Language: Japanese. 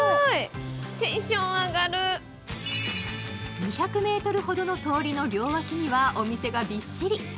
２００ｍほどの通りの両脇にはお店がびっしり。